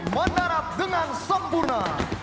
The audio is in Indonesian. menarap dengan sempurna